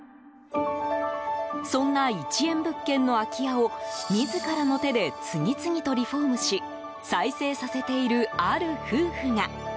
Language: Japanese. そんな１円物件の空き家を自らの手で次々とリフォームし再生させている、ある夫婦が。